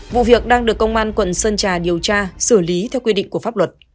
vụ việc đang được công an quận sơn trà điều tra xử lý theo quy định của pháp luật